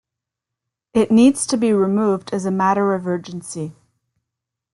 It needs to be removed as matter of urgency.